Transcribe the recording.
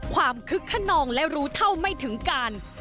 คึกขนองและรู้เท่าไม่ถึงการ